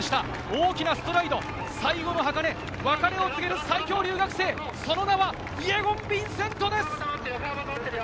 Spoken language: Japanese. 大きなストライド、最後の箱根、別れを告げる最強留学生、その名はイェゴン・ヴィンセントです。